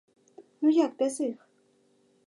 Ну як без іх?